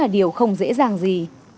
điều không dễ dàng gì